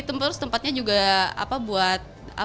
terus tempatnya juga apa buat